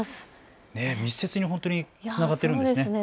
密接に本当につながっているんですね。